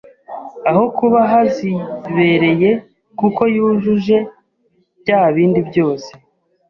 aho kuba hazibereye kuko yujuje bya bindi byose